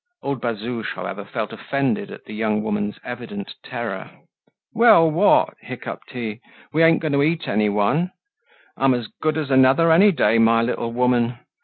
Old Bazouge, however, felt offended at the young woman's evident terror. "Well, what!" hiccoughed he, "we ain't going to eat any one. I'm as good as another any day, my little woman.